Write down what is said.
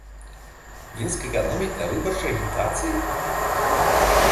Мінск эканоміць на выбарчай агітацыі?